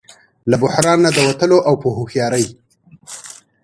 له بحران نه د وتلو او په هوښیارۍ